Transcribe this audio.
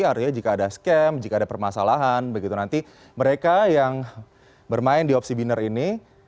artinya jika ada scam jika ada permasalahan begitu nanti mereka yang bermain di opsi binner ini